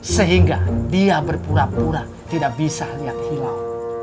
sehingga dia berpura pura tidak bisa lihat hilal